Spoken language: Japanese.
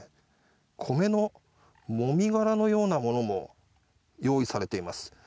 米のもみ殻のようなものも用意されています。